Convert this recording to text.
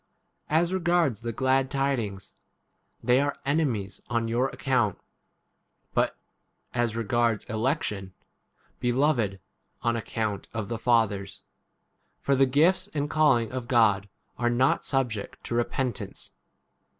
28 As regards the glad tidings, [they are] enemies on your account; but as regards election, beloved 29 on account of the fathers. For the gifts and calling of God [are] 80 not subject to repentance.